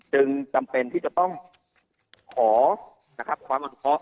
จึงจำเป็นที่จะต้องขอความระวังศัพท์